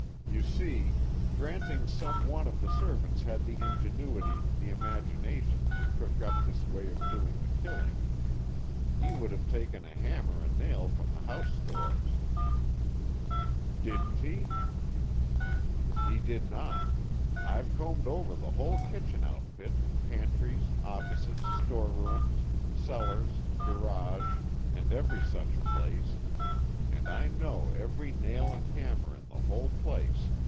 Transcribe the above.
"You see, granting some one of the servants had the ingenuity, the imagination, to cook up this way of doing the killing, he would have taken a hammer and nail from the house stores." "Didn't he?" "He did not. I've combed over the whole kitchen outfit, pantries, offices, storerooms, cellars, garage and every such place, and I know every nail and hammer in the whole place.